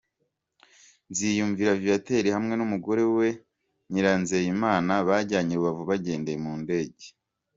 Nziyumvira Viateur hamwe n'umugore we Nyiranizeyimana bajyanye i Rubavu bagendeye mu ndege.